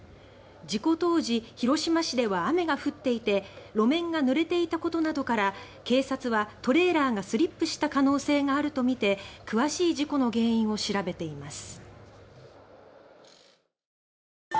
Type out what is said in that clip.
事故当時、広島市では雨が降っていて路面が濡れていたことなどから警察はトレーラーがスリップした可能性があるとみて詳しい事故の原因を調べています。